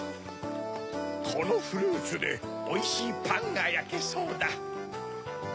このフルーツでおいしいパンがやけそうだ。